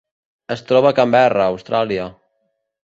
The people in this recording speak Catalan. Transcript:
Es troba a Canberra, Austràlia.